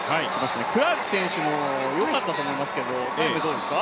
クラーク選手もよかったと思いますけど、どうですか。